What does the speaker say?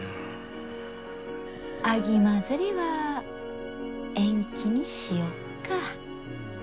秋まづりは延期にしよっか？